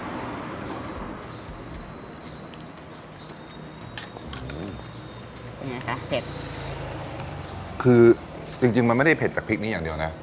เป็นไงคะเผ็ดคือจริงจริงมันไม่ได้เผ็ดจากพริกนี้อย่างเดียวนะ